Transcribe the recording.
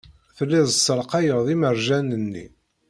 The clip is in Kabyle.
Telliḍ tessalqayeḍ imerjan-nni.